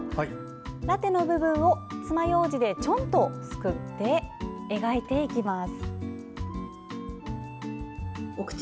ラテの部分をつまようじでちょんとすくって描いていきます。